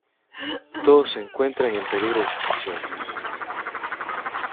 Todos se encuentran en peligro de extinción.